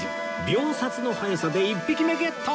秒殺の速さで１匹目ゲット！